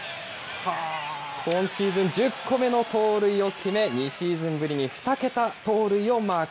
今シーズン１０個目の盗塁を決め、２シーズンぶりに２桁盗塁をマーク。